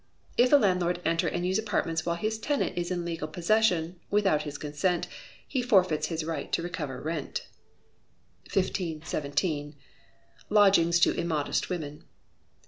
If a landlord enter and use apartments while his tenant is in legal possession, without his consent, he forfeits his right to recover rent. 1517. Lodgings to Immodest Women.